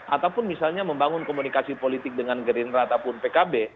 ataupun misalnya membangun komunikasi politik dengan gerindra ataupun pkb